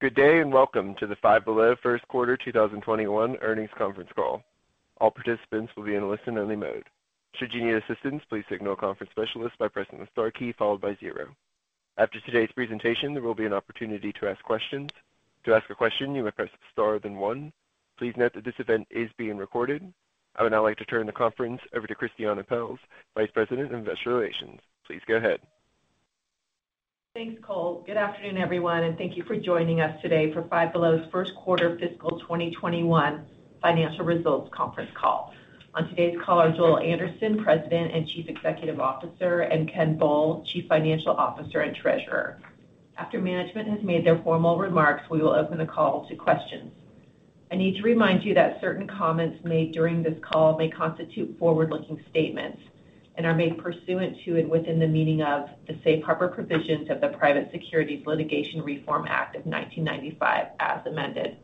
Good day, and welcome to the Five Below first quarter 2021 earnings conference call. All participants will be in a listen-only mode. Should you need assistance, please signal a conference specialist by pressing the star key followed by zero. After today's presentation, there will be an opportunity to ask questions. To ask a question, you may press star then one. Please note that this event is being recorded. I would now like to turn the conference over to Christiane Pelz, Vice President of Investor Relations. Please go ahead. Thanks, Cole. Good afternoon, everyone, and thank you for joining us today for Five Below's first quarter fiscal 2021 financial results conference call. On today's call are Joel Anderson, President and Chief Executive Officer, and Ken Bull, Chief Financial Officer and Treasurer. After management has made their formal remarks, we will open the call to questions. I need to remind you that certain comments made during this call may constitute forward-looking statements and are made pursuant to and within the meaning of the safe harbor provisions of the Private Securities Litigation Reform Act of 1995 as amended.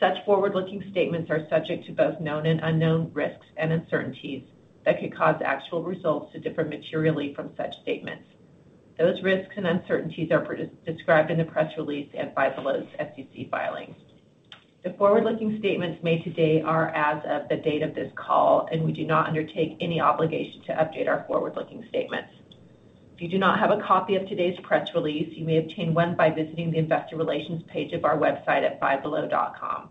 Such forward-looking statements are subject to both known and unknown risks and uncertainties that could cause actual results to differ materially from such statements. Those risks and uncertainties are described in the press release and Five Below's SEC filings. The forward-looking statements made today are as of the date of this call, and we do not undertake any obligation to update our forward-looking statements. If you do not have a copy of today's press release, you may obtain one by visiting the Investor Relations page of our website at fivebelow.com.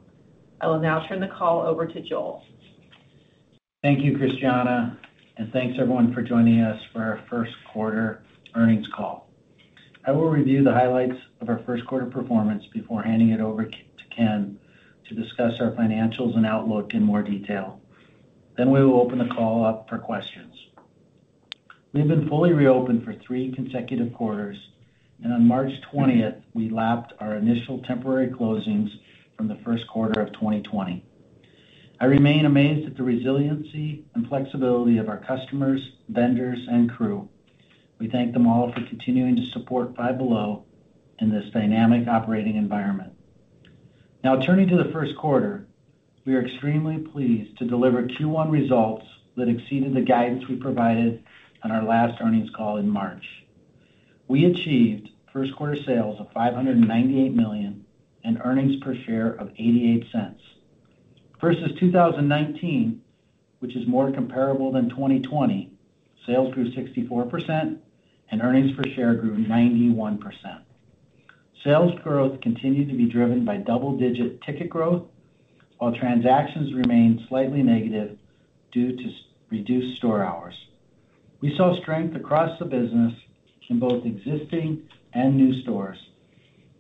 I will now turn the call over to Joel. Thank you, Christiane, and thanks, everyone, for joining us for our first quarter earnings call. I will review the highlights of our first quarter performance before handing it over to Ken to discuss our financials and outlook in more detail. We will open the call up for questions. We've been fully reopened for three consecutive quarters, and on March 20th, we lapped our initial temporary closings from the first quarter of 2020. I remain amazed at the resiliency and flexibility of our customers, vendors, and crew. We thank them all for continuing to support Five Below in this dynamic operating environment. Turning to the first quarter, we are extremely pleased to deliver Q1 results that exceeded the guidance we provided on our last earnings call in March. We achieved first quarter sales of $598 million and earnings per share of $0.88. Versus 2019, which is more comparable than 2020, sales grew 64%, and earnings per share grew 91%. Sales growth continued to be driven by double-digit ticket growth, while transactions remained slightly negative due to reduced store hours. We saw strength across the business in both existing and new stores,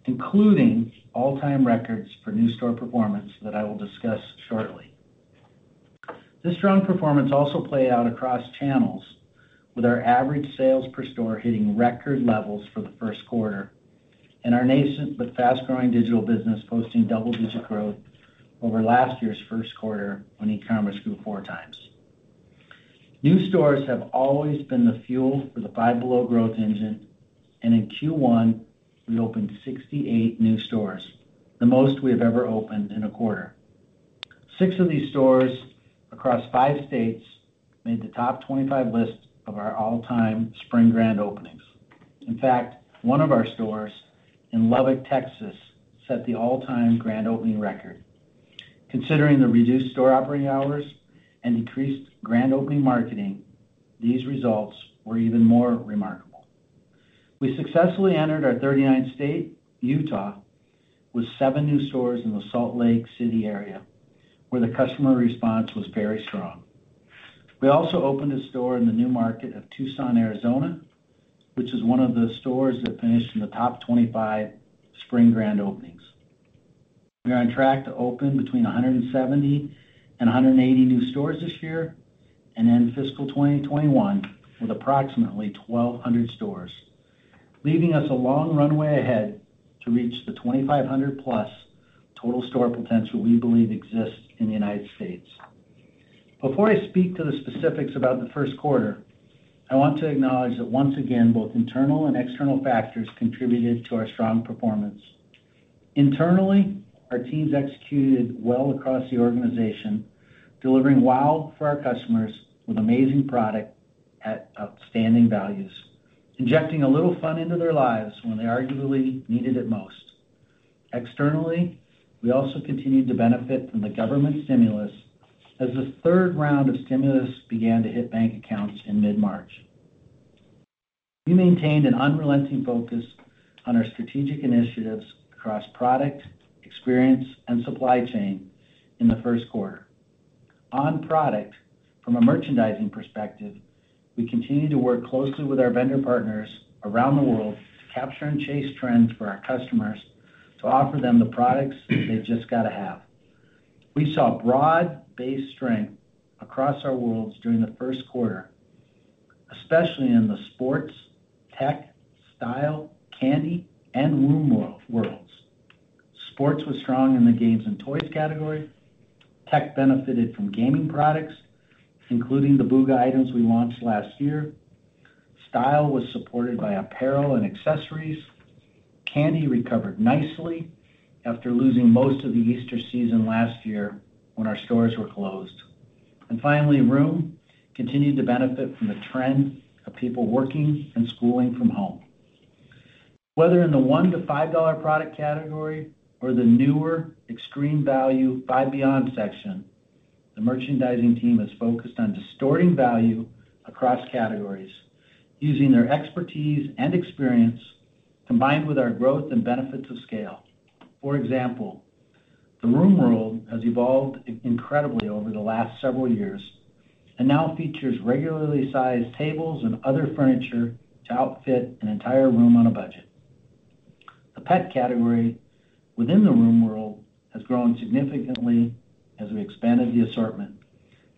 including all-time records for new store performance that I will discuss shortly. This strong performance also played out across channels with our average sales per store hitting record levels for the first quarter and our nascent but fast-growing digital business posting double-digit growth over last year's first quarter when e-commerce grew four times. New stores have always been the fuel for the Five Below growth engine, and in Q1, we opened 68 new stores, the most we've ever opened in a quarter. Six of these stores across five states made the top 25 list of our all-time spring grand openings. In fact, one of our stores in Lubbock, Texas, set the all-time grand opening record. Considering the reduced store operating hours and increased grand opening marketing, these results were even more remarkable. We successfully entered our 39th state, Utah, with seven new stores in the Salt Lake City area, where the customer response was very strong. We also opened a store in the new market of Tucson, Arizona, which is one of the stores that finished in the top 25 spring grand openings. We are on track to open between 170 and 180 new stores this year and end fiscal 2021 with approximately 1,200 stores, leaving us a long runway ahead to reach the 2,500-plus total store potential we believe exists in the U.S. Before I speak to the specifics about the first quarter, I want to acknowledge that once again, both internal and external factors contributed to our strong performance. Internally, our teams executed well across the organization, delivering WOW for our customers with amazing product at outstanding values, injecting a little fun into their lives when they arguably needed it most. Externally, we also continued to benefit from the government stimulus as the third round of stimulus began to hit bank accounts in mid-March. We maintained an unrelenting focus on our strategic initiatives across product, experience, and supply chain in the first quarter. On product, from a merchandising perspective, we continue to work closely with our vendor partners around the world to capture and chase trends for our customers to offer them the products they've just gotta have. We saw broad-based strength across our worlds during the first quarter, especially in the sports, tech, style, candy, and room worlds. Sports was strong in the games and toys category. Tech benefited from gaming products, including the Bugha items we launched last year. Style was supported by apparel and accessories. Candy recovered nicely after losing most of the Easter season last year when our stores were closed. Finally, room continued to benefit from the trend of people working and schooling from home. Whether in the $1 to $5 product category or the newer extreme value Five Beyond section, the merchandising team is focused on distorting value across categories using their expertise and experience, combined with our growth and benefits of scale. For example, the Room World has evolved incredibly over the last several years and now features regularly sized tables and other furniture to outfit an entire room on a budget. The pet category within the Room World has grown significantly as we expanded the assortment,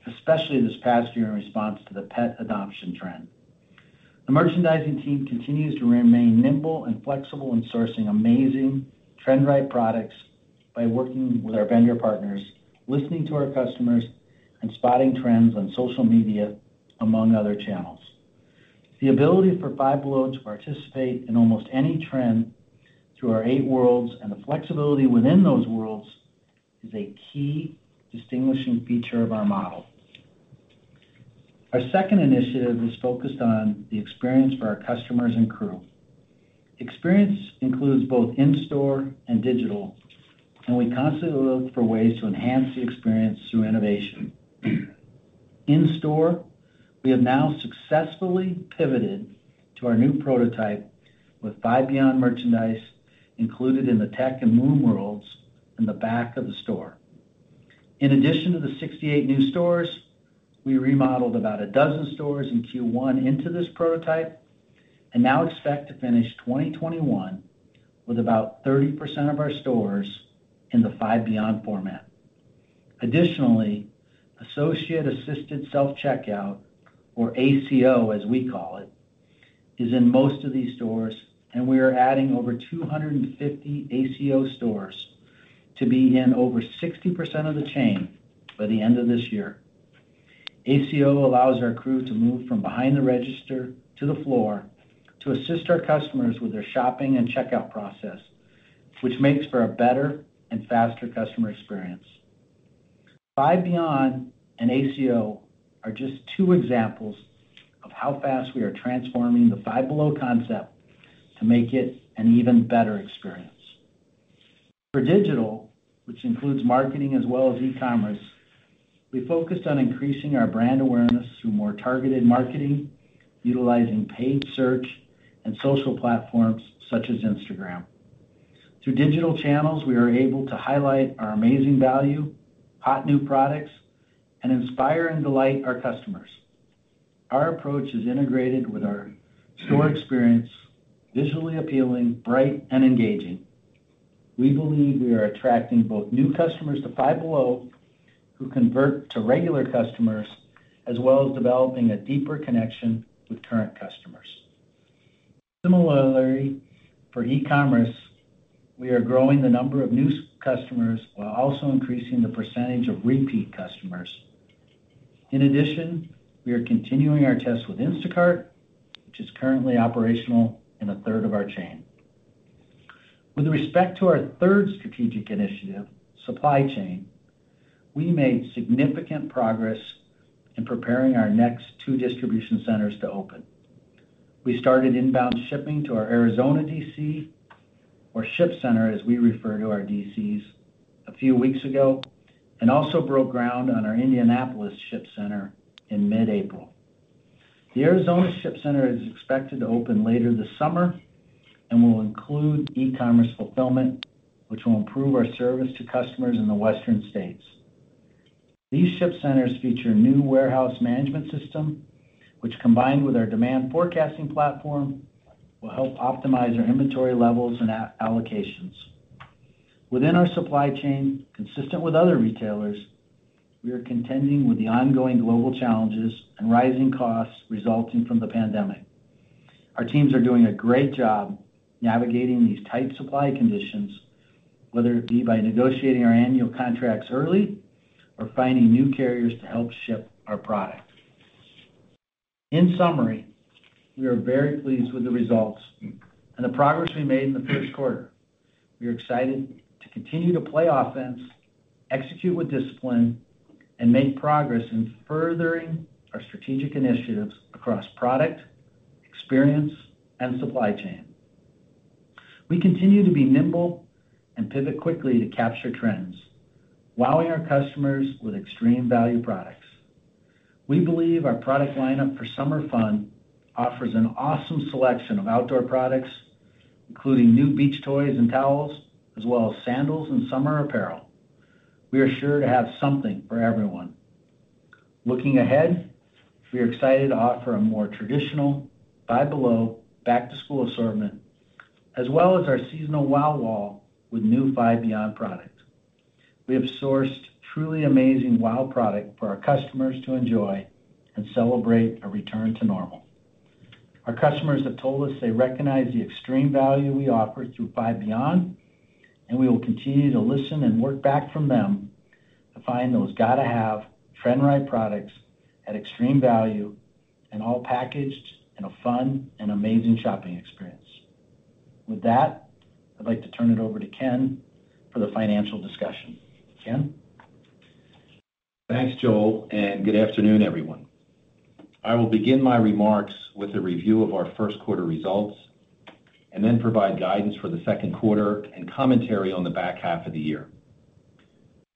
especially this past year in response to the pet adoption trend. The merchandising team continues to remain nimble and flexible when sourcing amazing trend-right products by working with our vendor partners, listening to our customers, and spotting trends on social media, among other channels. The ability for Five Below to participate in almost any trend through our eight worlds, and the flexibility within those worlds, is a key distinguishing feature of our model. Our second initiative is focused on the experience for our customers and crew. Experience includes both in-store and digital, and we constantly look for ways to enhance the experience through innovation. In-store, we have now successfully pivoted to our new prototype with Five Beyond merchandise included in the tech and room worlds in the back of the store. In addition to the 68 new stores, we remodeled about 12 stores in Q1 into this prototype and now expect to finish 2021 with about 30% of our stores in the Five Beyond format. Additionally, Associate Assisted Self-Checkout, or ACO, as we call it, is in most of these stores, and we are adding over 250 ACO stores to be in over 60% of the chain by the end of this year. ACO allows our crew to move from behind the register to the floor to assist our customers with their shopping and checkout process, which makes for a better and faster customer experience. Five Beyond and ACO are just two examples of how fast we are transforming the Five Below concept to make it an even better experience. For digital, which includes marketing as well as e-commerce, we focused on increasing our brand awareness through more targeted marketing, utilizing paid search and social platforms such as Instagram. Through digital channels, we are able to highlight our amazing value, hot new products, and inspire and delight our customers. Our approach is integrated with our store experience, visually appealing, bright, and engaging. We believe we are attracting both new customers to Five Below, who convert to regular customers, as well as developing a deeper connection with current customers. Similarly, for e-commerce, we are growing the number of new customers while also increasing the percentage of repeat customers. In addition, we are continuing our test with Instacart, which is currently operational in a third of our chain. With respect to our third strategic initiative, supply chain, we made significant progress in preparing our next two distribution centers to open. We started inbound shipping to our Arizona DC, or ship center, as we refer to our DCs, a few weeks ago, and also broke ground on our Indianapolis ship center in mid-April. The Arizona ship center is expected to open later this summer and will include e-commerce fulfillment, which will improve our service to customers in the western states. These ship centers feature a new warehouse management system, which, combined with our demand forecasting platform, will help optimize our inventory levels and allocations. Within our supply chain, consistent with other retailers, we are contending with the ongoing global challenges and rising costs resulting from the pandemic. Our teams are doing a great job navigating these tight supply conditions, whether it be by negotiating our annual contracts early or finding new carriers to help ship our product. In summary, we are very pleased with the results and the progress we made in the first quarter. We are excited to continue to play offense, execute with discipline, and make progress in furthering our strategic initiatives across product, experience, and supply chain. We continue to be nimble and pivot quickly to capture trends, wowing our customers with extreme value products. We believe our product lineup for summer fun offers an awesome selection of outdoor products, including new beach toys and towels, as well as sandals and summer apparel. We are sure to have something for everyone. Looking ahead, we are excited to offer a more traditional Five Below back-to-school assortment, as well as our seasonal WOW wall with new Five Beyond product. We have sourced truly amazing WOW product for our customers to enjoy and celebrate a return to normal. Our customers have told us they recognize the extreme value we offer through Five Beyond, and we will continue to listen and work back from them to find those gotta-have, trend-right products at extreme value, and all packaged in a fun and amazing shopping experience. With that, I'd like to turn it over to Ken for the financial discussion. Ken? Thanks, Joel, and good afternoon, everyone. I will begin my remarks with a review of our first quarter results and then provide guidance for the second quarter and commentary on the back half of the year.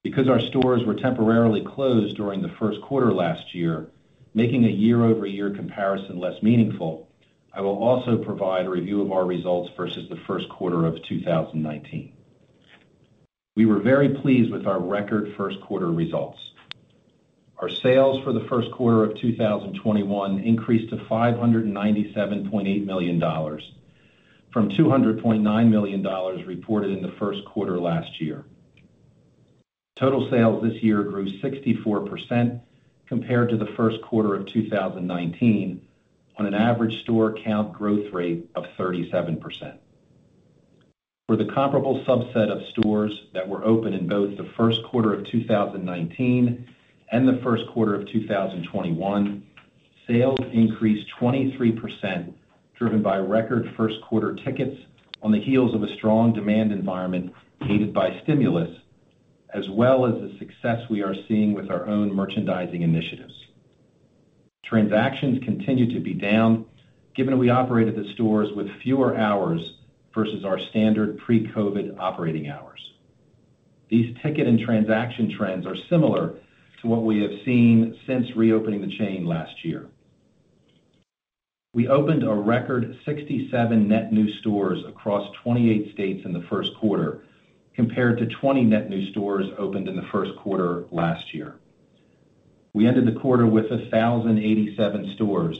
Because our stores were temporarily closed during the first quarter last year, making a year-over-year comparison less meaningful, I will also provide a review of our results versus the first quarter of 2019. We were very pleased with our record first quarter results. Our sales for the first quarter of 2021 increased to $597.8 million from $200.9 million reported in the first quarter last year. Total sales this year grew 64% compared to the first quarter of 2019 on an average store count growth rate of 37%. For the comparable subset of stores that were open in both the first quarter of 2019 and the first quarter of 2021, sales increased 23%, driven by record first quarter tickets on the heels of a strong demand environment aided by stimulus, as well as the success we are seeing with our own merchandising initiatives. Transactions continue to be down given we operated the stores with fewer hours versus our standard pre-COVID operating hours. These ticket and transaction trends are similar to what we have seen since reopening the chain last year. We opened a record 67 net new stores across 28 states in the first quarter compared to 20 net new stores opened in the first quarter last year. We ended the quarter with 1,087 stores,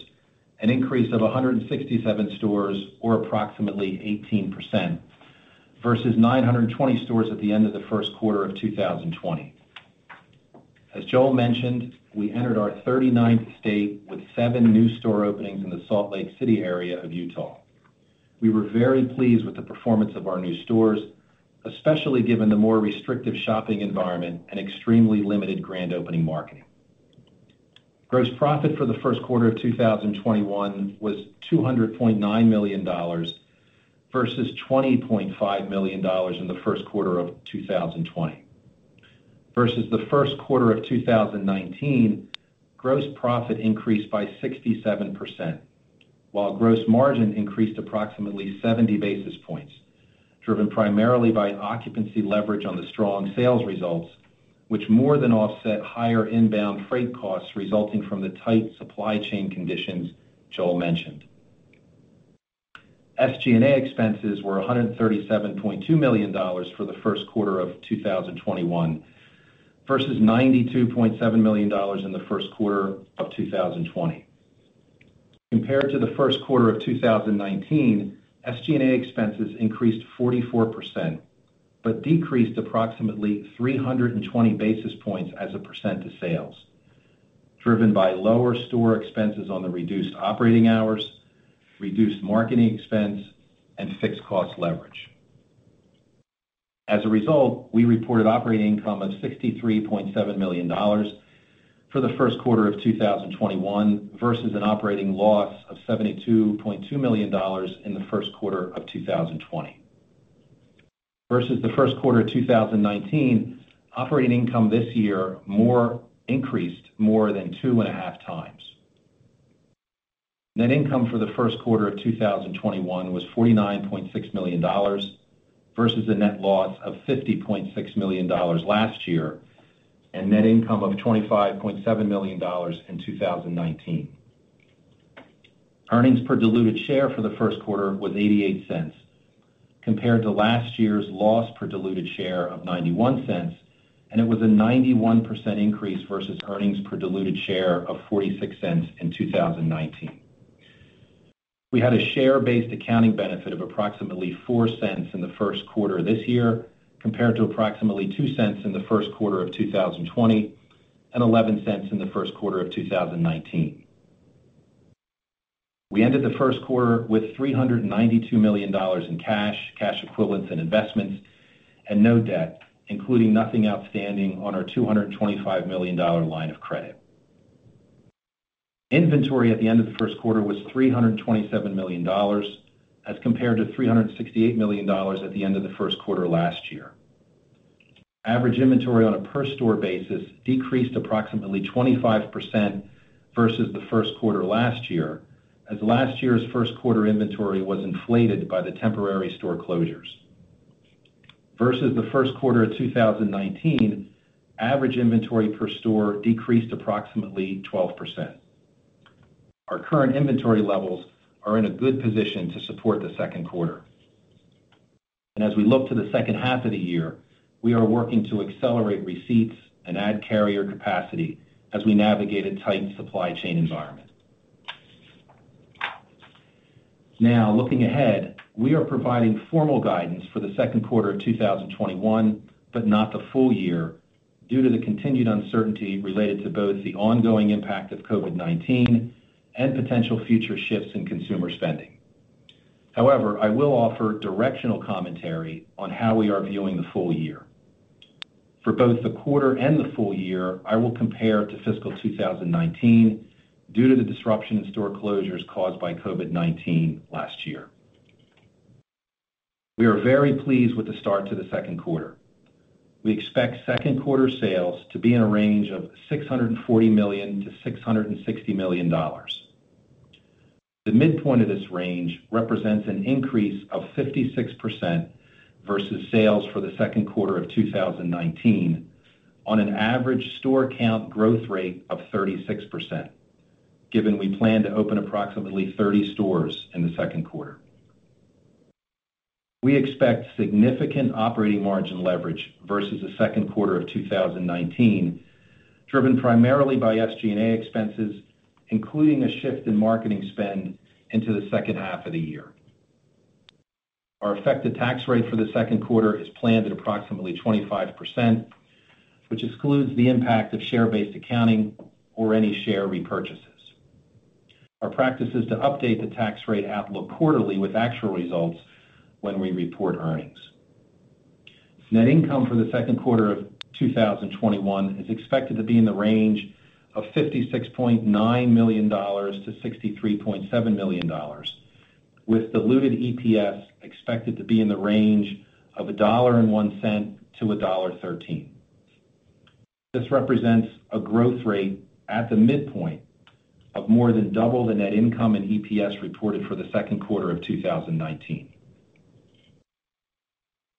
an increase of 167 stores or approximately 18%, versus 920 stores at the end of the first quarter of 2020. As Joel mentioned, we entered our 39th state with seven new store openings in the Salt Lake City area of Utah. We were very pleased with the performance of our new stores, especially given the more restrictive shopping environment and extremely limited grand opening marketing. Gross profit for the first quarter of 2021 was $200.9 million versus $20.5 million in the first quarter of 2020. Versus the first quarter of 2019, gross profit increased by 67%, while gross margin increased approximately 70 basis points, driven primarily by occupancy leverage on the strong sales results, which more than offset higher inbound freight costs resulting from the tight supply chain conditions Joel mentioned. SG&A expenses were $137.2 million for the first quarter of 2021 versus $92.7 million in the first quarter of 2020. Compared to the first quarter of 2019, SG&A expenses increased 44% but decreased approximately 320 basis points as a % of sales, driven by lower store expenses on the reduced operating hours, reduced marketing expense, and fixed cost leverage. As a result, we reported operating income of $63.7 million for the first quarter of 2021 versus an operating loss of $72.2 million in the first quarter of 2020. Versus the first quarter of 2019, operating income this year increased more than two and a half times. Net income for the first quarter of 2021 was $49.6 million versus a net loss of $50.6 million last year and net income of $25.7 million in 2019. Earnings per diluted share for the first quarter was $0.88 compared to last year's loss per diluted share of $0.91, and it was a 91% increase versus earnings per diluted share of $0.46 in 2019. We had a share-based accounting benefit of approximately $0.04 in the first quarter of this year compared to approximately $0.02 in the first quarter of 2020 and $0.11 in the first quarter of 2019. We ended the first quarter with $392 million in cash equivalents, and investments, and no debt, including nothing outstanding on our $225 million line of credit. Inventory at the end of the first quarter was $327 million as compared to $368 million at the end of the first quarter last year. Average inventory on a per store basis decreased approximately 25% versus the first quarter last year, as last year's first quarter inventory was inflated by the temporary store closures. Versus the first quarter of 2019, average inventory per store decreased approximately 12%. Our current inventory levels are in a good position to support the second quarter. As we look to the second half of the year, we are working to accelerate receipts and add carrier capacity as we navigate a tight supply chain environment. Now looking ahead, we are providing formal guidance for the second quarter of 2021, but not the full year due to the continued uncertainty related to both the ongoing impact of COVID-19 and potential future shifts in consumer spending. However, I will offer directional commentary on how we are viewing the full year. For both the quarter and the full year, I will compare to fiscal 2019 due to the disruption in store closures caused by COVID-19 last year. We are very pleased with the start to the second quarter. We expect second quarter sales to be in a range of $640 million-$660 million. The midpoint of this range represents an increase of 56% versus sales for the second quarter of 2019 on an average store count growth rate of 36%, given we plan to open approximately 30 stores in the second quarter. We expect significant operating margin leverage versus the second quarter of 2019, driven primarily by SG&A expenses, including a shift in marketing spend into the second half of the year. Our effective tax rate for the second quarter is planned at approximately 25%, which excludes the impact of share-based accounting or any share repurchases. Our practice is to update the tax rate outlook quarterly with actual results when we report earnings. Net income for the second quarter of 2021 is expected to be in the range of $56.9 million to $63.7 million, with diluted EPS expected to be in the range of $1.01-$1.13. This represents a growth rate at the midpoint of more than double the net income and EPS reported for the second quarter of 2019.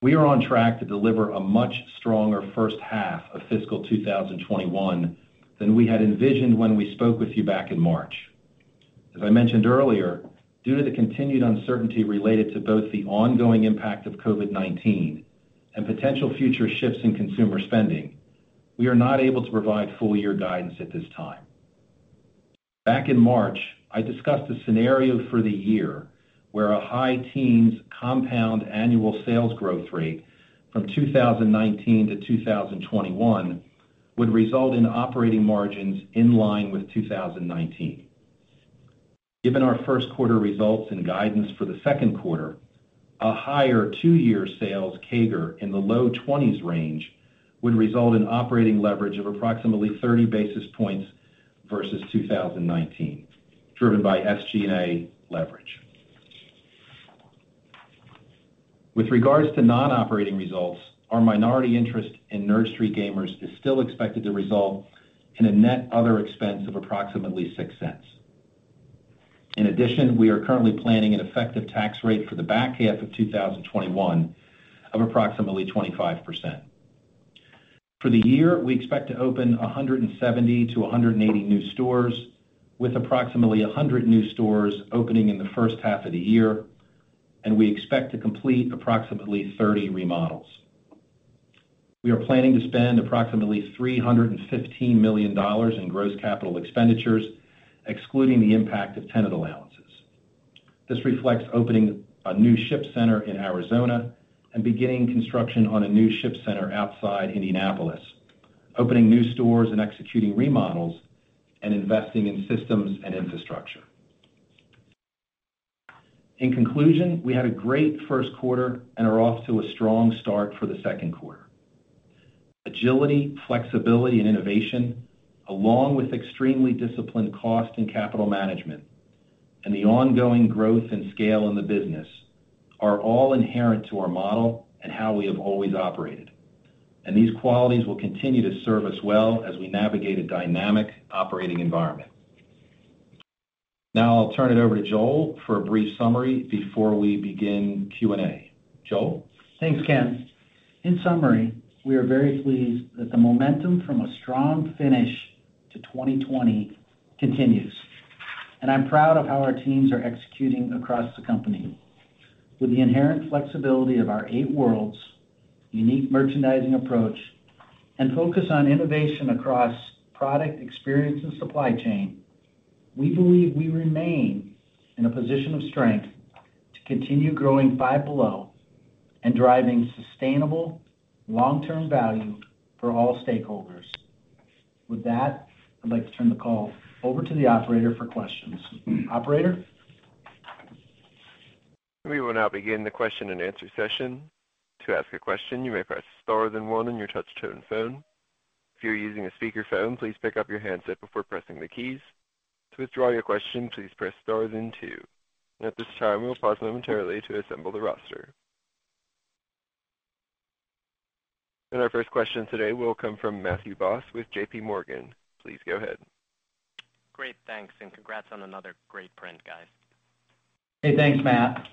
We are on track to deliver a much stronger first half of fiscal 2021 than we had envisioned when we spoke with you back in March. As I mentioned earlier, due to the continued uncertainty related to both the ongoing impact of COVID-19 and potential future shifts in consumer spending, we are not able to provide full year guidance at this time. Back in March, I discussed a scenario for the year where a high teens compound annual sales growth rate from 2019 to 2021 would result in operating margins in line with 2019. Given our first quarter results and guidance for the second quarter, a higher two-year sales CAGR in the low 20s range would result in operating leverage of approximately 30 basis points versus 2019, driven by SG&A leverage. With regards to non-operating results, our minority interest in Nerd Street Gamers is still expected to result in a net other expense of approximately $0.06. In addition, we are currently planning an effective tax rate for the back half of 2021 of approximately 25%. For the year, we expect to open 170-180 new stores, with approximately 100 new stores opening in the first half of the year, and we expect to complete approximately 30 remodels. We are planning to spend approximately $315 million in gross capital expenditures, excluding the impact of tenant allowances. This reflects opening a new ship center in Arizona and beginning construction on a new ship center outside Indianapolis, opening new stores and executing remodels, and investing in systems and infrastructure. In conclusion, we had a great first quarter and are off to a strong start for the second quarter. Agility, flexibility, and innovation, along with extremely disciplined cost and capital management, and the ongoing growth and scale in the business are all inherent to our model and how we have always operated. These qualities will continue to serve us well as we navigate a dynamic operating environment. Now I'll turn it over to Joel for a brief summary before we begin Q&A. Joel? Thanks, Ken. In summary, we are very pleased that the momentum from a strong finish to 2020 continues, and I'm proud of how our teams are executing across the company. With the inherent flexibility of our eight worlds, unique merchandising approach, and focus on innovation across product experience and supply chain, we believe we remain in a position of strength to continue growing Five Below and driving sustainable long-term value for all stakeholders. With that, I'd like to turn the call over to the operator for questions. Operator? We will now begin the question and answer session. To ask a question, you may press star then one on your touch-tone phone. If you are using a speakerphone, please pick up your handset before pressing the keys. To withdraw your question, please press star then two. At this time, we'll pause momentarily to assemble the roster. Our first question today will come from Matthew Boss with JPMorgan. Please go ahead. Great. Thanks, and congrats on another great print, guys. Hey, thanks, Matt.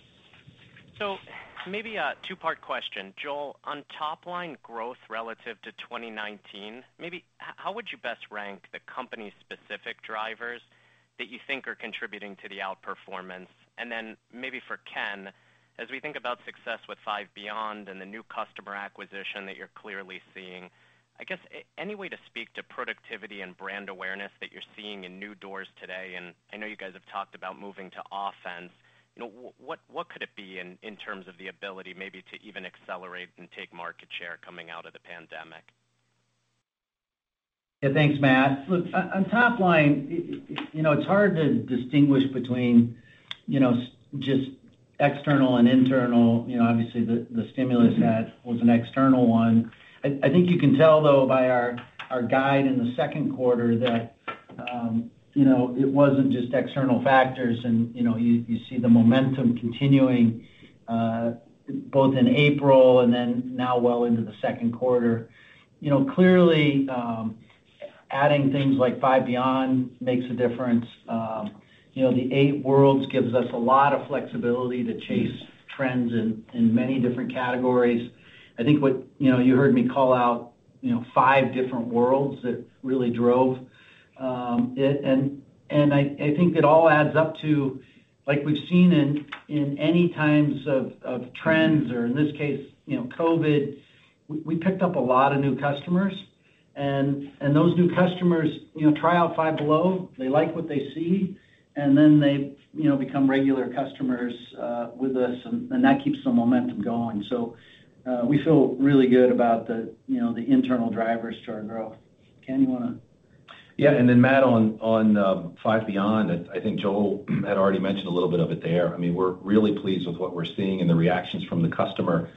Maybe a two-part question. Joel, on top-line growth relative to 2019, how would you best rank the company-specific drivers that you think are contributing to the outperformance? Maybe for Ken, as we think about success with Five Beyond and the new customer acquisition that you're clearly seeing, I guess, any way to speak to productivity and brand awareness that you're seeing in new doors today? I know you guys have talked about moving to offense. What could it be in terms of the ability maybe to even accelerate and take market share coming out of the pandemic? Yeah. Thanks, Matt. On top line, it's hard to distinguish between just external and internal. Obviously, the stimulus was an external one. I think you can tell, though, by our guide in the second quarter that it wasn't just external factors and you see the momentum continuing both in April and then now well into the second quarter. Clearly, adding things like Five Beyond makes a difference. The eight worlds gives us a lot of flexibility to chase trends in many different categories. I think what you heard me call out five different worlds that really drove it, and I think it all adds up to, like we've seen in any kinds of trends or in this case, COVID, we picked up a lot of new customers. Those new customers try out Five Below, they like what they see, and then they become regular customers with us, and that keeps the momentum going. We feel really good about the internal drivers to our growth. Ken, you want to? Yeah. Matt, on Five Beyond, I think Joel had already mentioned a little bit of it there. We're really pleased with what we're seeing and the reactions from the customer.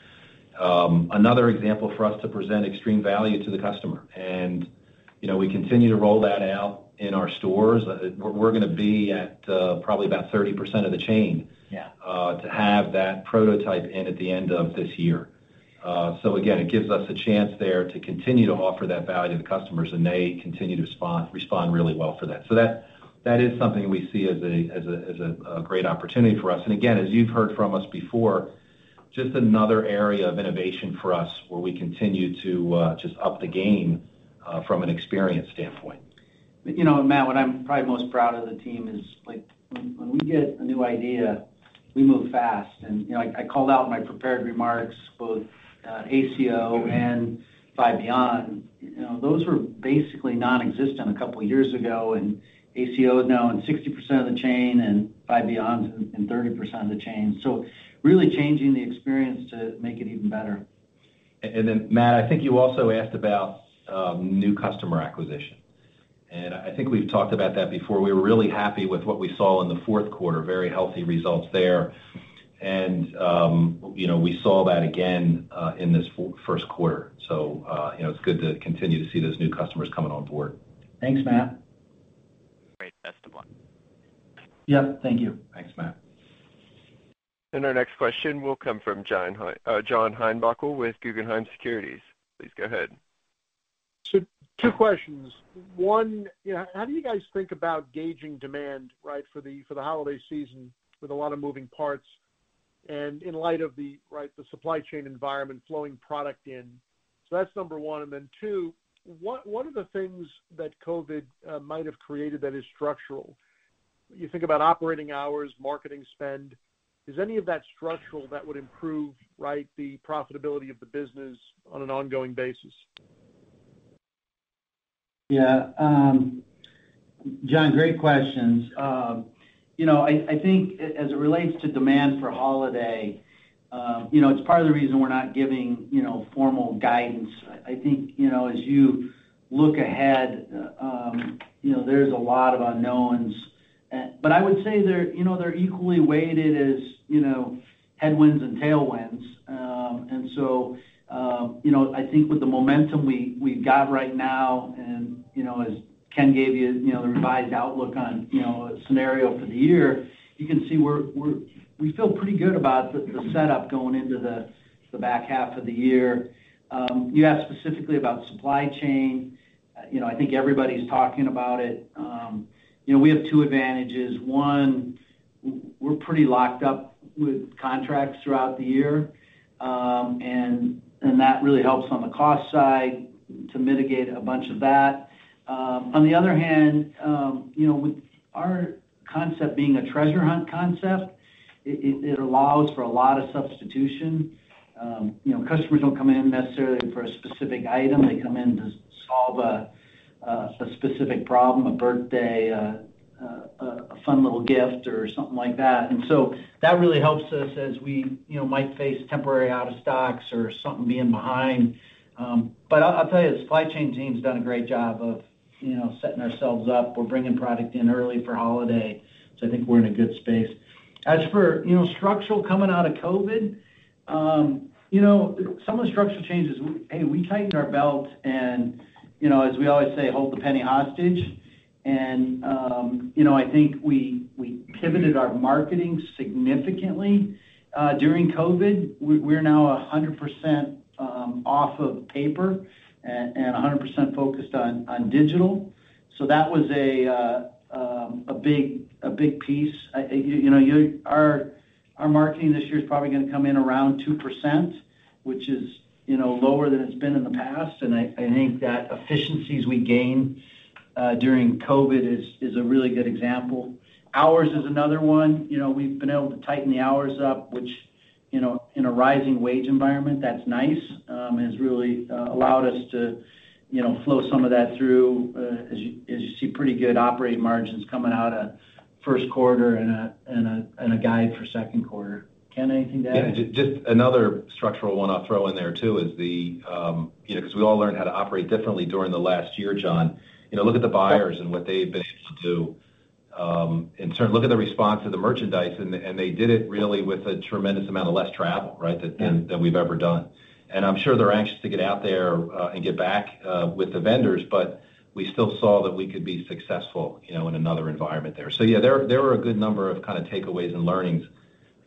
Another example for us to present extreme value to the customer. We continue to roll that out in our stores. We're going to be at probably about 30% of the chain. Yeah To have that prototype in at the end of this year. Again, it gives us a chance there to continue to offer that value to customers, and they continue to respond really well for that. That is something we see as a great opportunity for us. Again, as you've heard from us before, just another area of innovation for us where we continue to just up the game from an experience standpoint. Matt, what I'm probably most proud of the team is when we get a new idea, we move fast. I called out in my prepared remarks both ACO and Five Beyond. Those were basically nonexistent a couple of years ago, and ACO is now in 60% of the chain and Five Beyond in 30% of the chain. Really changing the experience to make it even better. Matt, I think you also asked about new customer acquisition. I think we've talked about that before. We were really happy with what we saw in the fourth quarter, very healthy results there. We saw that again in this first quarter, so it's good to continue to see those new customers coming on board. Thanks, Matt. Great testimony. Yep. Thank you. Thanks, Matt. Our next question will come from John Heinbockel with Guggenheim Securities. Please go ahead. Two questions. One, how do you guys think about gauging demand for the holiday season with a lot of moving parts and in light of the supply chain environment flowing product in? That's number one. Two, what are the things that COVID might have created that is structural? You think about operating hours, marketing spend. Is any of that structural that would improve the profitability of the business on an ongoing basis? Yeah. John, great questions. I think as it relates to demand for holiday, it's part of the reason we're not giving formal guidance. I think as you look ahead, there's a lot of unknowns. I would say they're equally weighted as headwinds and tailwinds. I think with the momentum we got right now, and as Ken gave you the revised outlook on a scenario for the year, you can see we feel pretty good about the setup going into the back half of the year. You asked specifically about supply chain. I think everybody's talking about it. We have two advantages. One, we're pretty locked up with contracts throughout the year, and that really helps on the cost side to mitigate a bunch of that. On the other hand, with our concept being a treasure hunt concept, it allows for a lot of substitution. Customers don't come in necessarily for a specific item. They come in to solve a specific problem, a birthday, a fun little gift or something like that. That really helps us as we might face temporary out of stocks or something being behind. I'll tell you, the supply chain team's done a great job of setting ourselves up. We're bringing product in early for holiday. I think we're in a good space. As for structural coming out of COVID, some of the structural changes, hey, we tightened our belts and as we always say, hold the penny hostage. I think we pivoted our marketing significantly during COVID. We're now 100% off of paper and 100% focused on digital. That was a big piece. Our marketing this year is probably going to come in around 2%, which is lower than it's been in the past. I think that efficiencies we gained during COVID is a really good example. Ours is another one. We've been able to tighten the hours up, which in a rising wage environment, that's nice. Has really allowed us to flow some of that through as you see pretty good operating margins coming out at first quarter and a guide for second quarter. Ken, anything to add? Yeah. Just another structural one I'll throw in there, too, is because we all learned how to operate differently during the last year, John. Look at the buyers and what they've been able to do. In terms of look at the response to the merchandise, and they did it really with a tremendous amount of less travel, right? Yeah. Than we've ever done. I'm sure they're anxious to get out there and get back with the vendors, but we still saw that we could be successful in another environment there. Yeah, there are a good number of kind of takeaways and learnings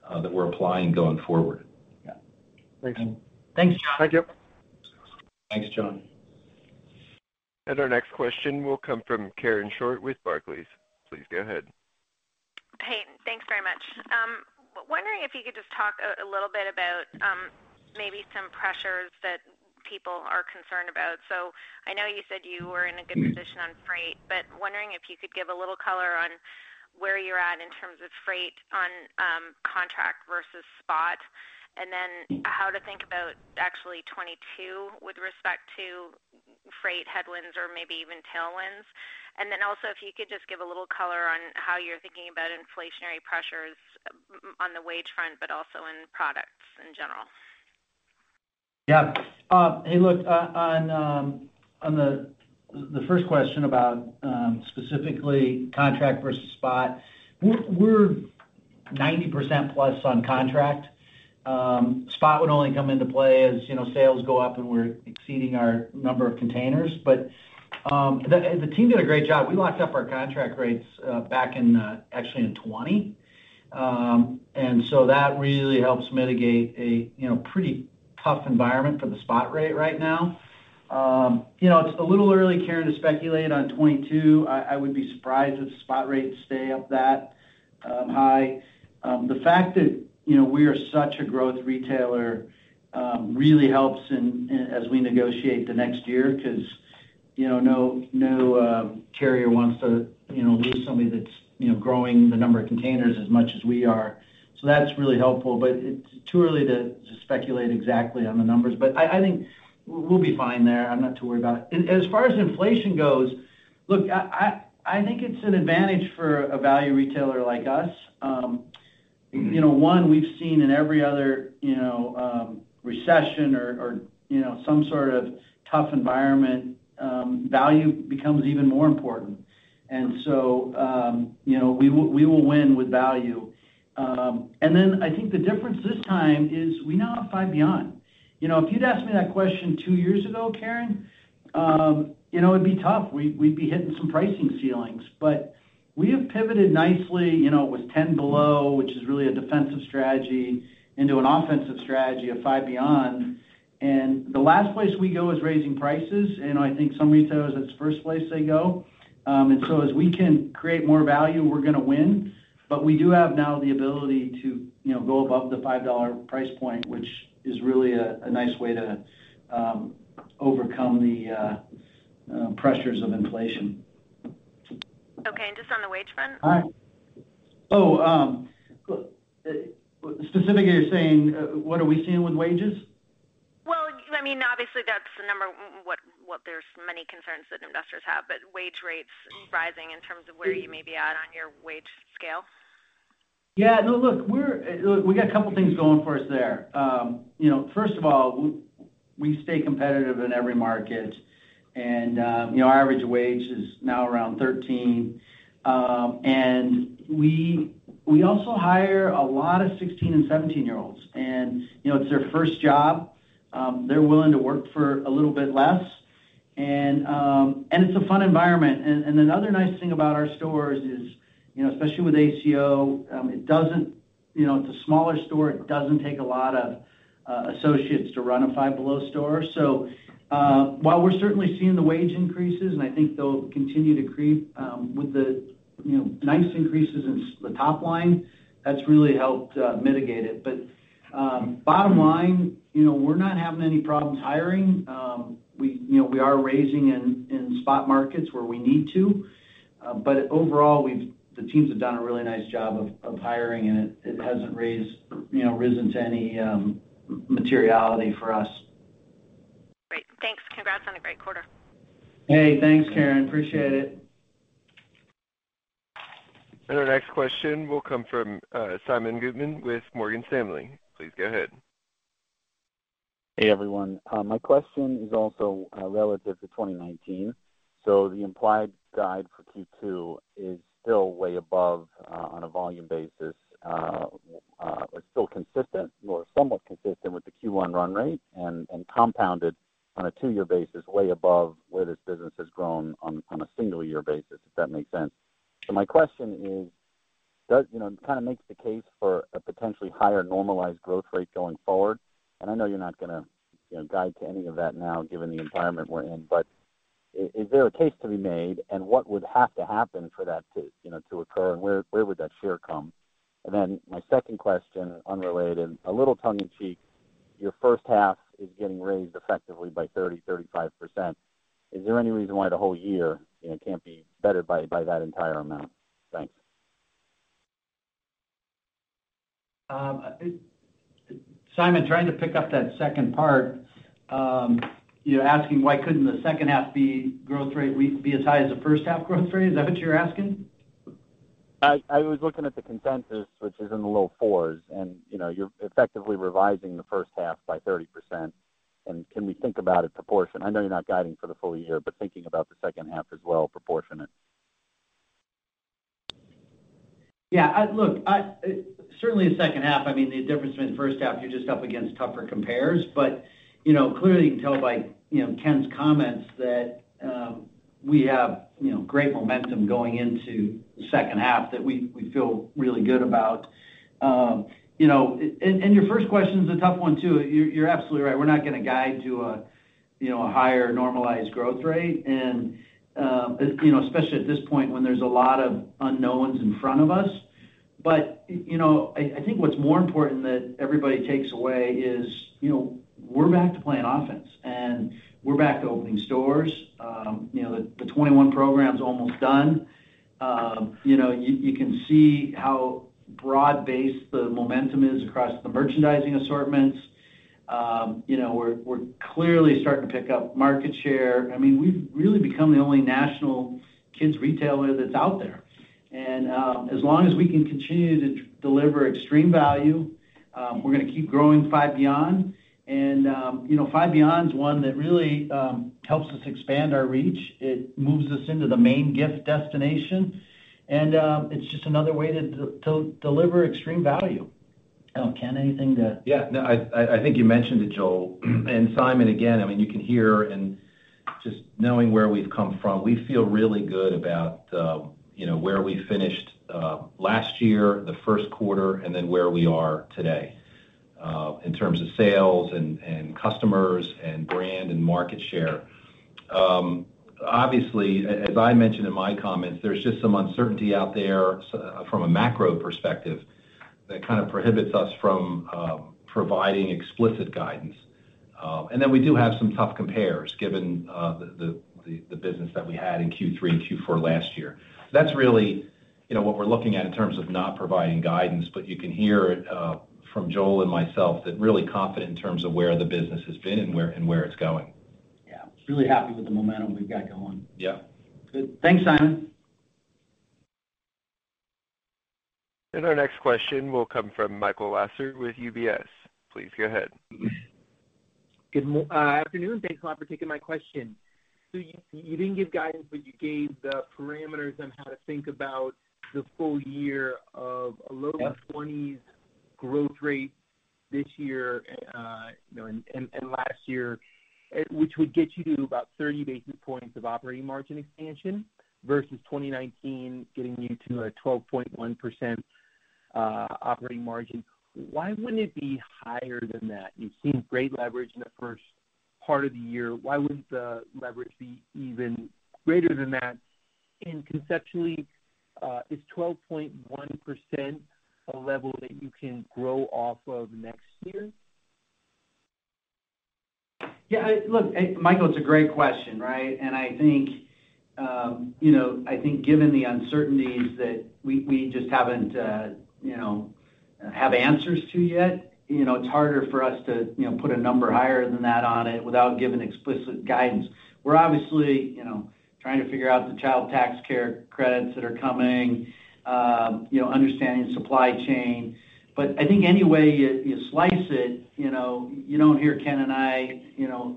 that we're applying going forward. Yeah. Great. Thanks, John. Thanks, John. Our next question will come from Karen Short with Barclays. Please go ahead. Hey. Thanks very much. Wondering if you could just talk a little bit about maybe some pressures that people are concerned about. I know you said you were in a good position on freight, but wondering if you could give a little color on where you're at in terms of freight on contract versus spot, and then how to think about actually 2022 with respect to freight headwinds or maybe even tailwinds. Also, if you could just give a little color on how you're thinking about inflationary pressures on the wage trend, but also in products in general. Hey, look, on the first question about specifically contract versus spot, we're 90%+ on contract. Spot would only come into play as sales go up and we're exceeding our number of containers. The team did a great job. We locked up our contract rates back in, actually, in 2020. That really helps mitigate a pretty tough environment for the spot rate right now. It's a little early, Karen, to speculate on 2022. I would be surprised if the spot rates stay up that high. The fact that we are such a growth retailer really helps as we negotiate the next year because no carrier wants to lose somebody that's growing the number of containers as much as we are. That's really helpful. It's too early to speculate exactly on the numbers. I think we'll be fine there. I'm not too worried about it. As far as inflation goes, I think it's an advantage for a value retailer like us. We've seen in every other recession or some sort of tough environment, value becomes even more important. We will win with value. I think the difference this time is we now have Five Beyond. If you'd asked me that question two years ago, Karen, it'd be tough. We'd be hitting some pricing ceilings. We have pivoted nicely with Ten Below, which is really a defensive strategy, into an offensive strategy of Five Beyond. The last place we go is raising prices. I think some retailers, that's the first place they go. As we can create more value, we're going to win. We do have now the ability to go above the $5 price point, which is really a nice way to overcome the pressures of inflation. Okay, just on the wage trend? Oh, specifically you're saying, what are we seeing with wages? Well, obviously there's many concerns that investors have, but wage rates rising in terms of where you may be on your wage scale. No, look, we got a couple of things going for us there. First of all, we stay competitive in every market, and our average wage is now around $13. We also hire a lot of 16 and 17-year-olds, and it's their first job. They're willing to work for a little bit less. It's a fun environment. Another nice thing about our stores is, especially with ACO, it's a smaller store. It doesn't take a lot of associates to run a Five Below store. While we're certainly seeing the wage increases, and I think they'll continue to creep with the nice increases in the top line, that's really helped mitigate it. Bottom line, we're not having any problems hiring. We are raising in spot markets where we need to. Overall, the teams have done a really nice job of hiring, and it hasn't risen to any materiality for us. Great. Thanks. Congrats on a great quarter. Hey, thanks, Karen. Appreciate it. Our next question will come from Simeon Gutman with Morgan Stanley. Please go ahead. Hey, everyone. My question is also relative to 2019. The implied guide for Q2 is still way above on a volume basis, but still consistent or somewhat consistent with the Q1 run rate, and compounded on a two-year basis way above where this business has grown on a single year basis, if that makes sense. My question is, it kind of makes the case for a potentially higher normalized growth rate going forward. I know you're not going to guide to any of that now given the environment we're in. Is there a case to be made, and what would have to happen for that to occur, and where would that year come? My second question, unrelated, a little tongue in cheek. Your first half is getting raised effectively by 30%-35%. Is there any reason why the whole year can't be bettered by that entire amount? Thanks. Simeon, trying to pick up that second part. You're asking why couldn't the second half growth rate be as high as the first half growth rate? Is that what you're asking? I was looking at the consensus, which is in the low fours. You're effectively revising the first half by 30%. Can we think about it proportionate? I know you're not guiding for the full year. Thinking about the second half as well, proportionate. Look, certainly the second half, the difference between the first half, you're just up against tougher compares. Clearly you can tell by Ken's comments that we have great momentum going into the second half that we feel really good about. Your first question is a tough one, too. You're absolutely right. We're not going to guide to a higher normalized growth rate, and especially at this point when there's a lot of unknowns in front of us. I think what's more important that everybody takes away is, we're back to playing offense and we're back to opening stores. The 2021 program's almost done. You can see how broad-based the momentum is across the merchandising assortments. We're clearly starting to pick up market share. We've really become the only national kids retailer that's out there. As long as we can continue to deliver extreme value, we're going to keep growing Five Below. Five Below is one that really helps us expand our reach. It moves us into the main gift destination, and it's just another way to deliver extreme value. I don't know, Ken, anything to. Yeah, no, I think you mentioned it, Joel. Simeon, again, you can hear, and just knowing where we've come from, we feel really good about where we finished last year, the first quarter, and then where we are today in terms of sales and customers and brand and market share. Obviously, as I mentioned in my comments, there's just some uncertainty out there from a macro perspective that kind of prohibits us from providing explicit guidance. We do have some tough compares given the business that we had in Q3 and Q4 last year. That's really what we're looking at in terms of not providing guidance. You can hear it from Joel and myself that we're really confident in terms of where the business has been and where it's going. Yeah. Just really happy with the momentum we've got going. Yeah. Good. Thanks, Simeon. Our next question will come from Michael Lasser with UBS. Please go ahead. Good afternoon. Thanks a lot for taking my question. You didn't give guidance, but you gave the parameters on how to think about the full year of a low 20s growth rate this year and last year, which would get you to about 30 basis points of operating margin expansion versus 2019 getting you to a 12.1% operating margin. Why wouldn't it be higher than that? You've seen great leverage in the first part of the year. Why wouldn't the leverage be even greater than that? Conceptually, is 12.1% a level that you can grow off of next year? Yeah. Look, Michael, it's a great question, right? I think given the uncertainties that we just haven't had answers to yet, it's harder for us to put a number higher than that on it without giving explicit guidance. We're obviously trying to figure out the child tax credits that are coming, understanding supply chain. I think any way you slice it, you don't hear Ken and I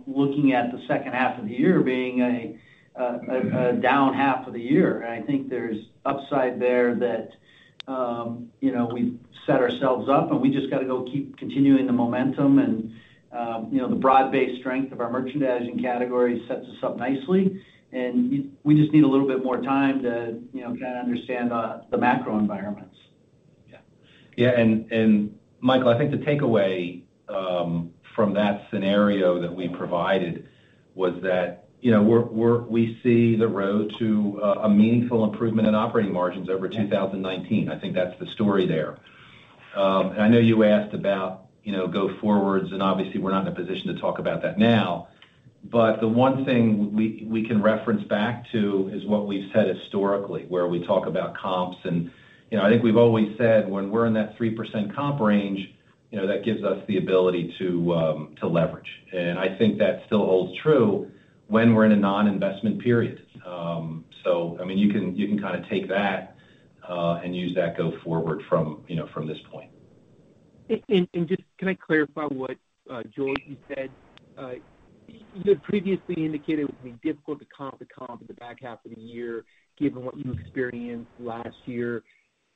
looking at the second half of the year being a down half of the year. I think there's upside there that we've set ourselves up, and we just got to go keep continuing the momentum and the broad-based strength of our merchandising categories sets us up nicely, and we just need a little bit more time to kind of understand the macro environments. Yeah. Michael, I think the takeaway from that scenario that we provided was that we see the road to a meaningful improvement in operating margins over 2019. I think that's the story there. I know you asked about go forwards, and obviously we're not in a position to talk about that now. The one thing we can reference back to is what we've said historically, where we talk about comps and I think we've always said when we're in that 3% comp range, that gives us the ability to leverage. I think that still holds true when we're in a non-investment period. You can kind of take that and use that go forward from this point. Just can I clarify what, Joel, you said? You previously indicated it would be difficult to comp the comp in the back half of the year given what you experienced last year.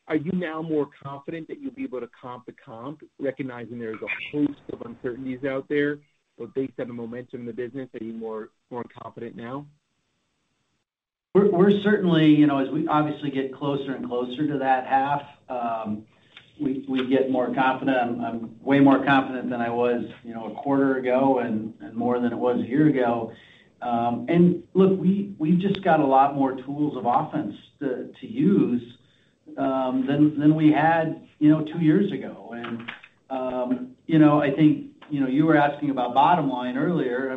Are you now more confident that you'll be able to comp the comp, recognizing there is a host of uncertainties out there, but based on the momentum of the business, are you more confident now? We're certainly, as we obviously get closer and closer to that half, we get more confident. I'm way more confident than I was a quarter ago and more than I was a year ago. Look, we just got a lot more tools of offense to use than we had two years ago. I think you were asking about bottom line earlier.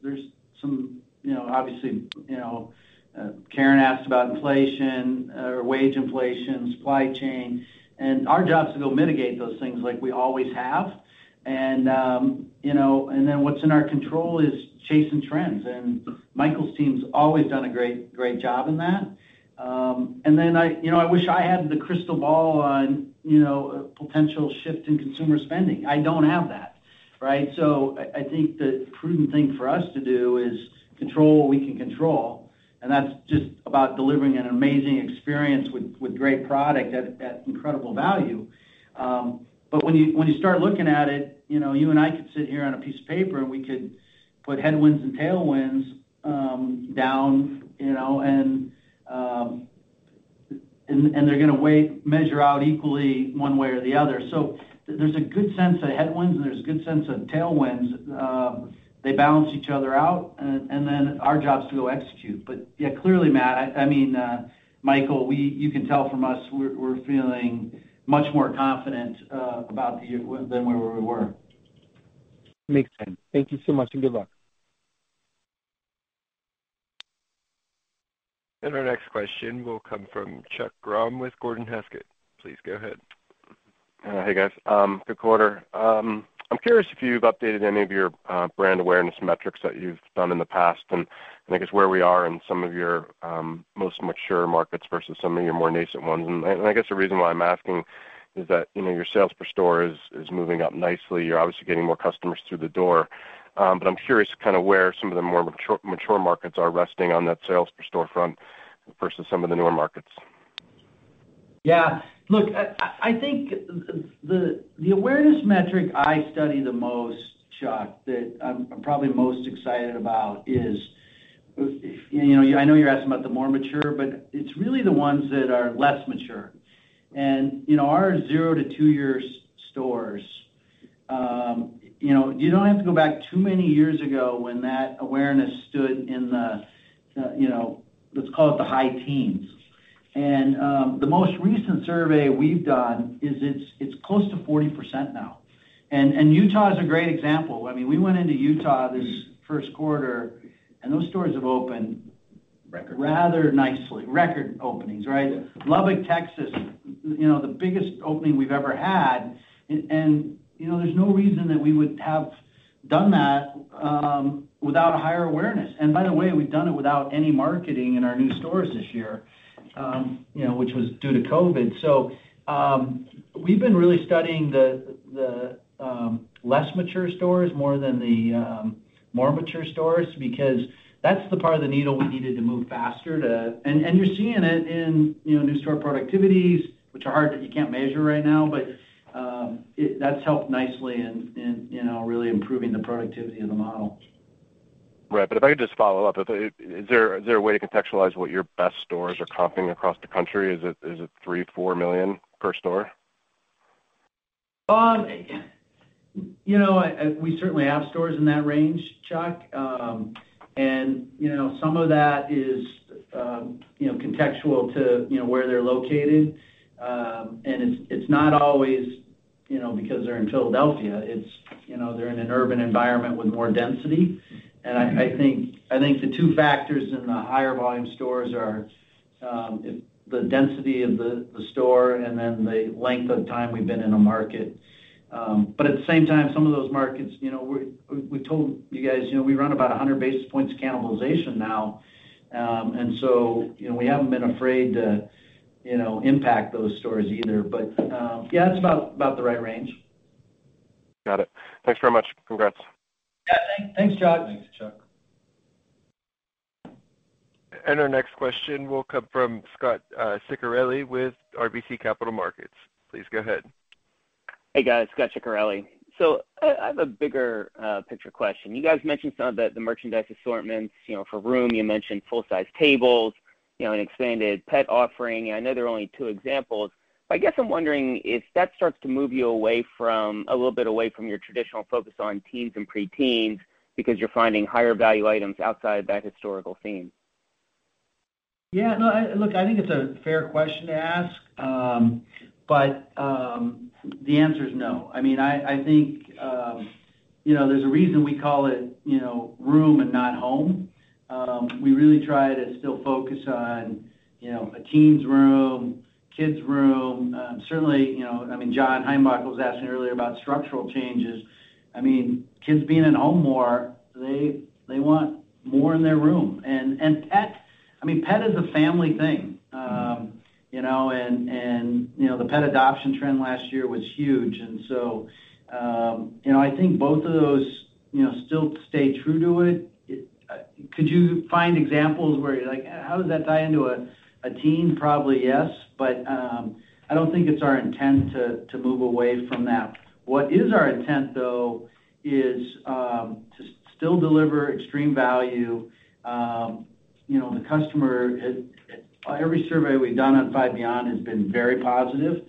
There's some, obviously, Karen asked about inflation, wage inflation, supply chain, and our job is to go mitigate those things like we always have. What's in our control is chasing trends. Michael's team's always done a great job in that. I wish I had the crystal ball on potential shift in consumer spending. I don't have that. Right. I think the prudent thing for us to do is control what we can control, and that's just about delivering an amazing experience with great product at incredible value. When you start looking at it, you and I could sit here on a piece of paper and we could put headwinds and tailwinds down, and they're going to measure out equally one way or the other. There's a good sense of headwinds, and there's a good sense of tailwinds. They balance each other out, our job is to go execute. Clearly, Michael, you can tell from us, we're feeling much more confident about the year than where we were. Makes sense. Thank you so much, and good luck. Our next question will come from Chuck Grom with Gordon Haskett. Please go ahead. Hi, guys. Good quarter. I'm curious if you've updated any of your brand awareness metrics that you've done in the past, and I guess where we are in some of your most mature markets versus some of your more nascent ones. I guess the reason why I'm asking is that your sales per store is moving up nicely. You're obviously getting more customers through the door. I'm curious kind of where some of the more mature markets are resting on that sales per store front versus some of the newer markets. Yeah, look, I think the awareness metric I study the most, Chuck, that I'm probably most excited about is-- I know you're asking about the more mature, but it's really the ones that are less mature. Our zero to two years stores, you don't have to go back too many years ago when that awareness stood in the, let's call it, the high teens. The most recent survey we've done is it's close to 40% now. Utah is a great example. We went into Utah this first quarter, and those stores have opened rather nicely. Record openings, right? Lubbock, Texas, the biggest opening we've ever had. And there's no reason that we would have done that without a higher awareness. By the way, we've done it without any marketing in our new stores this year which was due to COVID. We've been really studying the less mature stores more than the more mature stores because that's the part of the needle we needed to move faster to. You're seeing it in new store productivities, which are hard because you can't measure right now, but that's helped nicely in really improving the productivity of the model. Right. If I could just follow up, is there a way to contextualize what your best stores are comping across the country? Is it $3 million, $4 million per store? We certainly have stores in that range, Chuck. Some of that is contextual to where they're located. It's not always because they're in Philadelphia. It's they're in an urban environment with more density. I think the two factors in the higher volume stores are the density of the store and then the length of time we've been in a market. At the same time, some of those markets, we told you guys, we run about 100 basis points of cannibalization now. We haven't been afraid to impact those stores either. Yeah, that's about the right range. Got it. Thanks very much. Congrats. Yeah. Thanks, Chuck. Thanks, Chuck. Our next question will come from Scot Ciccarelli with RBC Capital Markets. Please go ahead. Hey, guys. Scot Ciccarelli. I have a bigger picture question. You guys mentioned some of the merchandise assortments. For room, you mentioned full-size tables, an expanded pet offering. I know they're only two examples, but I guess I'm wondering if that starts to move you a little bit away from your traditional focus on teens and pre-teens because you're finding higher value items outside of that historical theme. Yeah, look, I think it's a fair question to ask. The answer is no. I think there's a reason we call it room and not home. We really try to still focus on a teen's room, kid's room. Certainly, John Heinbockel was asking earlier about structural changes. Kids being at home more, they want more in their room. Pet is a family thing. The pet adoption trend last year was huge. I think both of those still stay true to it. Could you find examples where you're like, "How does that tie into a teen?" Probably, yes. I don't think it's our intent to move away from that. What is our intent, though, is to still deliver extreme value. The customer, every survey we've done at Five Below has been very positive,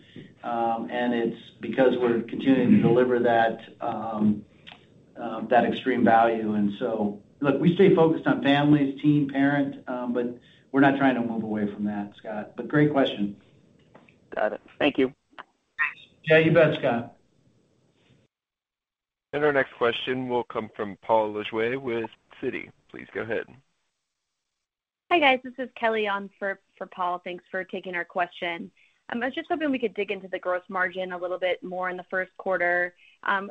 and it's because we're continuing to deliver that extreme value. Look, we stay focused on families, teen, parent, but we're not trying to move away from that, Scot. Great question. Got it. Thank you. Yeah, you bet, Scot. Our next question will come from Paul Lejuez with Citi. Please go ahead. Hi, guys. This is Kelly on for Paul. Thanks for taking our question. I was just hoping we could dig into the gross margin a little bit more in Q1.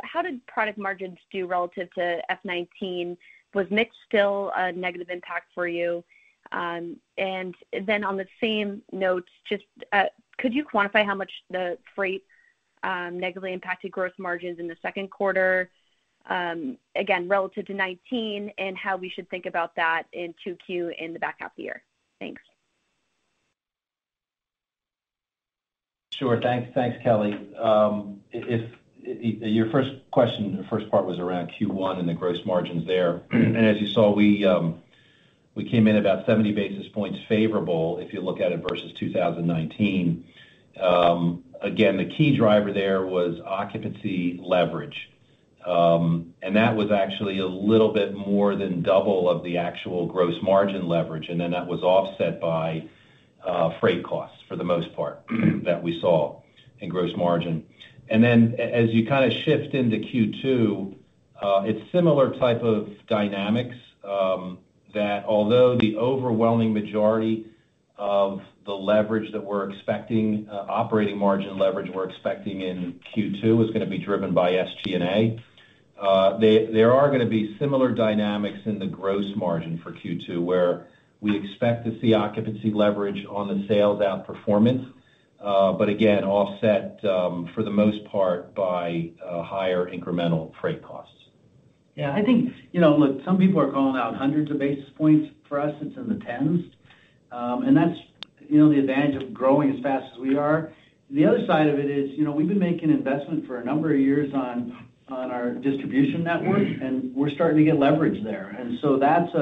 How did product margins do relative to FY 2019? Was mix still a negative impact for you? On the same note, just could you quantify how much the freight negatively impacted gross margins in Q2? Again, relative to 2019 and how we should think about that in 2Q and the back half of the year. Thanks. Sure. Thanks, Kelly. Your first question, the first part was around Q1 and the gross margins there. As you saw, we came in about 70 basis points favorable, if you look at it versus 2019. Again, the key driver there was occupancy leverage. That was actually a little bit more than double of the actual gross margin leverage. That was offset by freight costs for the most part, that we saw in gross margin. As you shift into Q2, it's similar type of dynamics, that although the overwhelming majority of the leverage that we're expecting, operating margin leverage we're expecting in Q2 is going to be driven by SG&A. There are going to be similar dynamics in the gross margin for Q2 where we expect to see occupancy leverage on the sales outperformance. Again, offset for the most part by higher incremental freight costs. Yeah. I think, look, some people are calling out hundreds of basis points. For us, it's in the tens. That's the advantage of growing as fast as we are. The other side of it is, we've been making an investment for a number of years on our distribution network, and we're starting to get leverage there. That's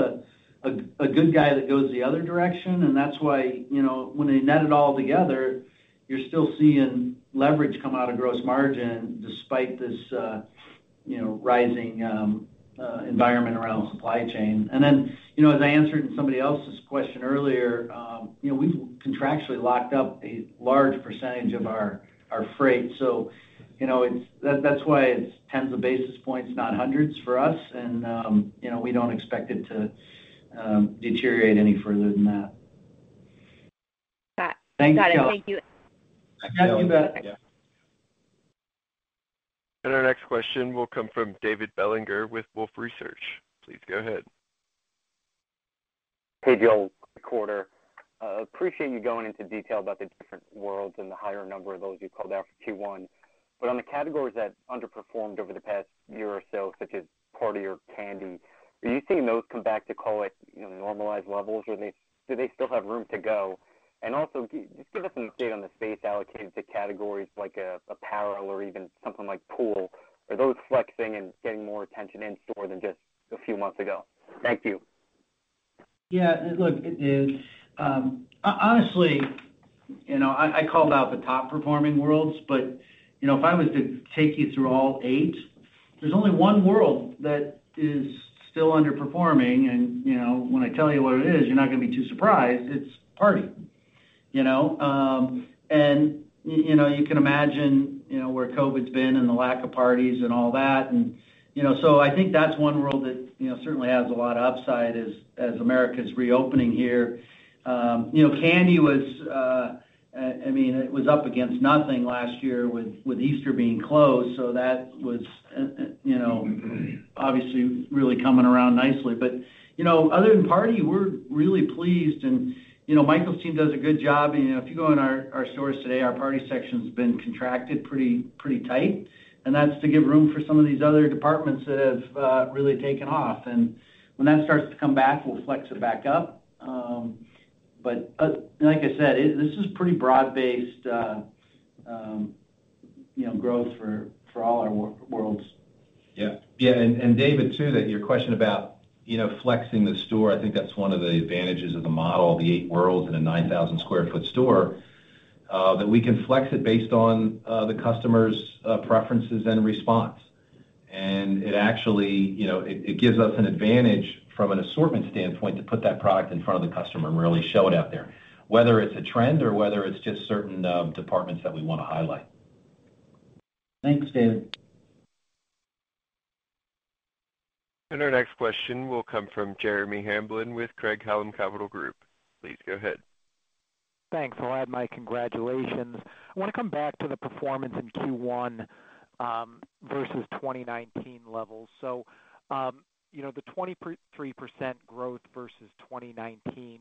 a good guy that goes the other direction, and that's why, when they net it all together, you're still seeing leverage come out of gross margin despite this rising environment around supply chain. As I answered somebody else's question earlier, we've contractually locked up a large percentage of our freight. That's why it's tens of basis points, not hundreds for us. We don't expect it to deteriorate any further than that. Thanks. Thanks, Kelly. Thank you. I can do that. Our next question will come from David Bellinger with Wolfe Research. Please go ahead. Hey, Joel. Good quarter. Appreciate you going into detail about these different worlds and the higher number of those you called out for Q1. On the categories that underperformed over the past year or so, such as party or candy, are you seeing those come back to call it normalized levels? Do they still have room to go? Also, just give us some insight on the space allocated to categories like apparel or even something like pool. Are those flexing and getting more attention in-store than just a few months ago? Thank you. Look, David. Honestly, I called out the top-performing worlds. If I was to take you through all eight, there's only one world that is still underperforming. When I tell you what it is, you're not going to be too surprised. It's party. You can imagine where COVID's been and the lack of parties and all that. I think that's one world that certainly has a lot of upside as America's reopening here. Candy was up against nothing last year with Easter being closed. That was obviously really coming around nicely. Other than party, we're really pleased. Michael's team does a good job. If you go in our stores today, our party section's been contracted pretty tight. That's to give room for some of these other departments that have really taken off. When that starts to come back, we'll flex it back up. Like I said, this is pretty broad-based growth for all our worlds. Yeah. David too, your question about flexing the store, I think that's one of the advantages of the model, the eight worlds in a 9,000 sq ft store, that we can flex it based on the customer's preferences and response. It actually gives us an advantage from an assortment standpoint to put that product in front of the customer and really show it out there, whether it's a trend or whether it's just certain departments that we want to highlight. Thanks, David. Our next question will come from Jeremy Hamblin with Craig-Hallum Capital Group. Please go ahead. Thanks. Well, I have my congratulations. Welcome back to the performance in Q1 versus 2019 levels. The 23% growth versus 2019.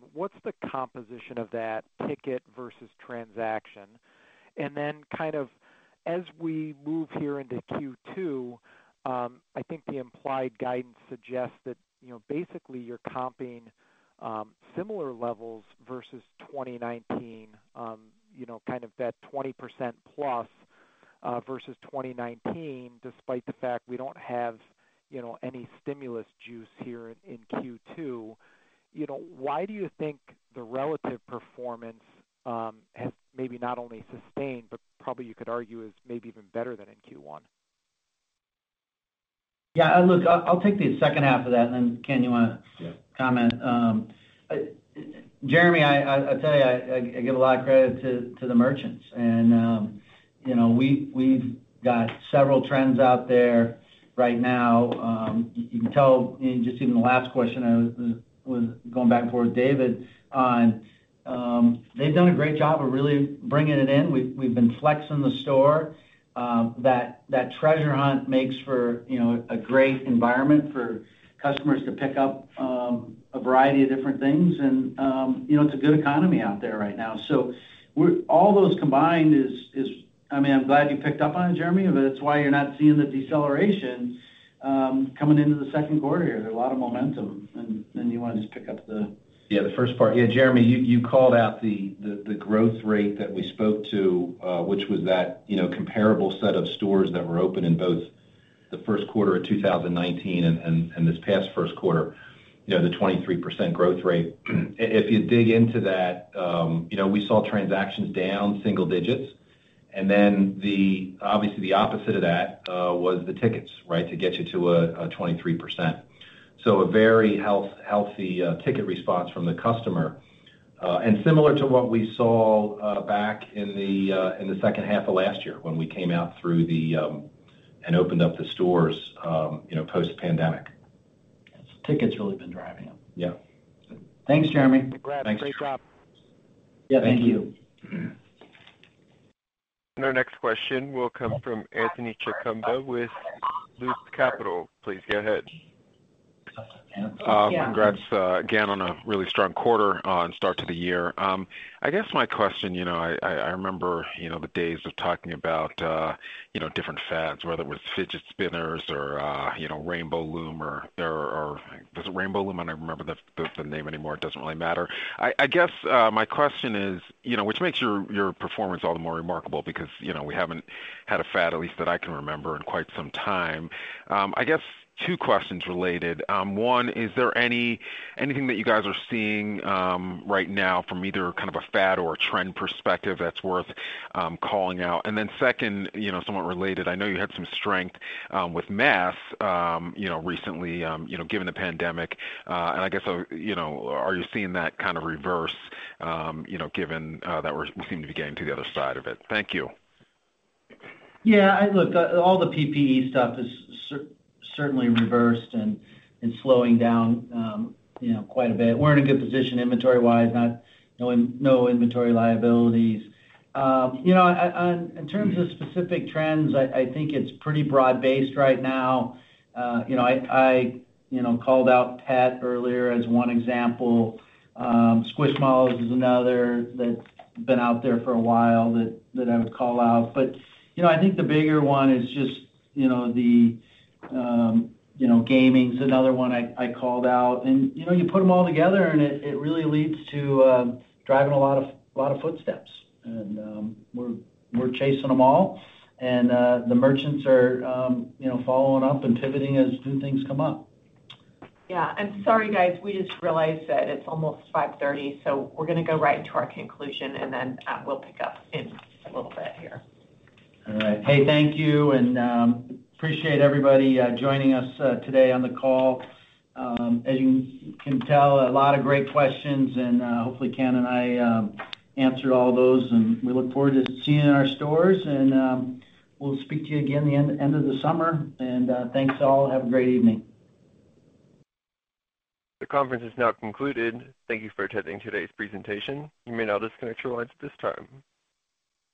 Kind of as we move here into Q2, I think the implied guidance suggests that basically you're comping similar levels versus 2019, kind of that 20% plus versus 2019, despite the fact we don't have any stimulus juice here in Q2. Why do you think the relative performance has maybe not only sustained, but probably you could argue is maybe even better than in Q1? Yeah, look, I'll take the second half of that, and Ken, do you want to comment? Sure. Jeremy, I tell you, I give a lot of credit to the merchants. We've got several trends out there right now. You can tell just in the last question, I was going back and forth with David on they've done a great job of really bringing it in. We've been flexing the store. That treasure hunt makes for a great environment for customers to pick up a variety of different things. It's a good economy out there right now. I'm glad you picked up on it, Jeremy. That's why you're not seeing the deceleration coming into the second quarter. A lot of momentum. Yeah, the first part. Yeah, Jeremy, you called out the growth rate that we spoke to, which was that comparable set of stores that were open in both the first quarter of 2019 and this past first quarter, the 23% growth rate. If you dig into that, we saw transactions down single digits, obviously the opposite of that was the tickets to get you to a 23%. A very healthy ticket response from the customer. Similar to what we saw back in the second half of last year when we came out and opened up the stores post-pandemic. Tickets really been driving it. Yeah. Thanks, Jeremy. Thanks. Great job. Yeah, thank you. Thank you. Our next question will come from Anthony Chukumba with Loop Capital. Please go ahead. Anthony, yeah. Congrats again on a really strong quarter on start to the year. I guess my question, I remember the days of talking about different fads, whether it was fidget spinners or Rainbow Loom or Was it Rainbow Loom? I don't remember the name anymore. It doesn't really matter. I guess my question is, which makes your performance all the more remarkable because we haven't had a fad, at least that I can remember, in quite some time. I guess two questions related. One, is there anything that you guys are seeing right now from either a fad or a trend perspective that's worth calling out? Then second, somewhat related, I know you had some strength with mask recently, given the pandemic. I guess, are you seeing that kind of reverse, given that we're beginning to get to the other side of it? Thank you. Look, all the PPE stuff is certainly reversed and slowing down quite a bit. We're in a good position inventory-wise. No inventory liabilities. In terms of specific trends, I think it's pretty broad-based right now. I called out pet earlier as one example. Squishmallows is another that's been out there for a while that I would call out. I think the bigger one is just the gaming is another one I called out. You put them all together, and it really leads to driving a lot of footsteps, and we're chasing them all, and the merchants are following up and pivoting as new things come up. Sorry, guys, we just realized that it's almost 5:30PM, so we're going to go right into our conclusion, and then we'll pick up in a little bit here. All right. Hey, thank you. We appreciate everybody joining us today on the call. As you can tell, a lot of great questions, and hopefully Ken and I answered all those, and we look forward to seeing you in our stores, and we'll speak to you again the end of the summer. Thanks all, have a great evening. The conference is now concluded. Thank you for attending today's presentation. You may now disconnect your lines at this time.